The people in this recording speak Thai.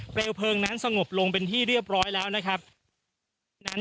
เพลิงนั้นสงบลงเป็นที่เรียบร้อยแล้วนะครับนั้น